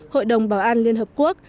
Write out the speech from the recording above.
hội đồng bảo an liên hợp quốc